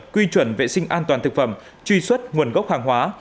quy chuẩn vệ sinh an toàn thực phẩm truy xuất nguồn gốc hàng hóa